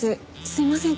すいません。